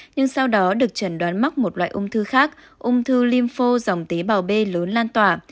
nhưng sau đó được trần đoán mắc một loại ung thư khác ung thư lympho dòng tế bào b lớn lan tỏa